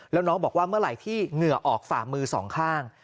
แล้วน้องบอกว่าเมื่อไหร่ที่เหงื่อออกฝ่ามือสองข้าง